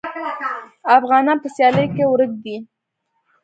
افغانان په سیالۍ کې ورک دي.